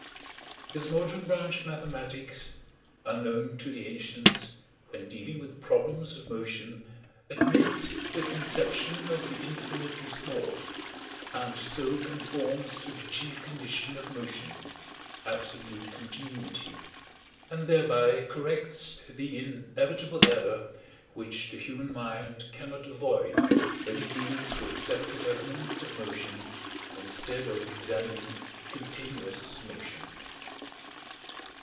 This modern branch of mathematics, unknown to the ancients, when dealing with problems of motion admits the conception of the infinitely small, and so conforms to the chief condition of motion (absolute continuity) and thereby corrects the inevitable error which the human mind cannot avoid when it deals with separate elements of motion instead of examining continuous motion.